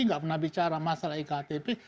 nggak pernah bicara masalah iktp